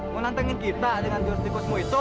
mau nantengin kita dengan jurus tikusmu itu